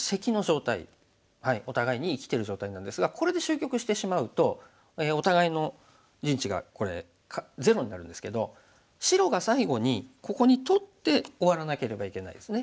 お互いに生きてる状態なんですがこれで終局してしまうとお互いの陣地がこれゼロになるんですけど白が最後にここに取って終わらなければいけないですね。